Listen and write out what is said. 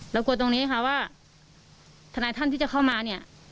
กลัวตรงนี้ค่ะว่าทนายท่านที่จะเข้ามาเนี่ย